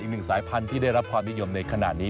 หนึ่งสายพันธุ์ที่ได้รับความนิยมในขณะนี้